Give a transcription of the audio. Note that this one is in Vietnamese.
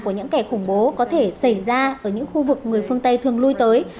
của những kẻ khủng bố có thể xảy ra ở những khu vực người phương tây thường lui tới